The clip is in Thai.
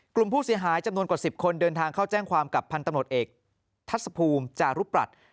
กลุ่มผู้เสียหายจำนวนกว่า๑๐คนเดินทางเข้าแจ้งความกับพันธุ์ตำรวจเอกทัศภูมิจารุปรัช